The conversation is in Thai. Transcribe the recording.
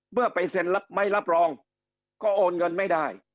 เมื่อไปเซ็นไม่รับรองก็โอนเงินไม่ได้